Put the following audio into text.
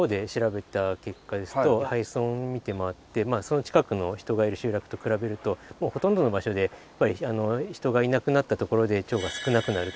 結果ですと廃村見て回ってその近くの人がいる集落と比べるともうほとんどの場所で人がいなくなった所でチョウが少なくなる。